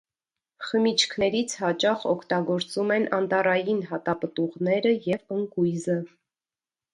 Խմիչքներից հաճախ օգտագործում են անտառային հատապտուղները և ընկույզը։